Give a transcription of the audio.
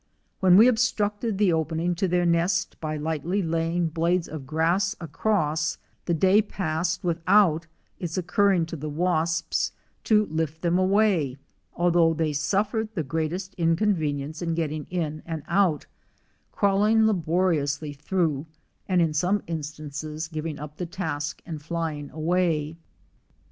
When we obstructed the opening to their nest by lightly laying blades of grass across, the day passed without its occur ring to the wasps to lift them away, although they suf fered the greatest inconvenience in getting in and out, 12 COMMUNAL LIFE crawling laboriously through, and in some instances giv ing up the task and flying away.